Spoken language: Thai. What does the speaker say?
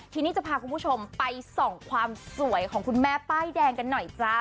ทีนี้จะพาคุณผู้ชมไปส่องความสวยของคุณแม่ป้ายแดงกันหน่อยจ้า